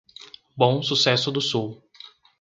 Bom Sucesso do Sul